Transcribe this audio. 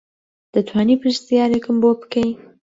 دەتوانی پرسیارێکم بۆ بکەی